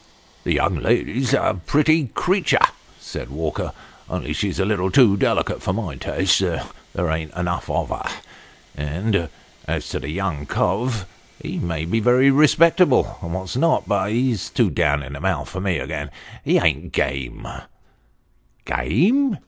" The young lady's a pretty creature," said Walker, only she's a little too delicate for my taste there ain't enough of her. As to the young cove, he may be very respectable and what not, but he's too down in the mouth for me he ain't game." " Game